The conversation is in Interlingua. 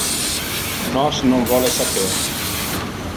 Nos non vole saper.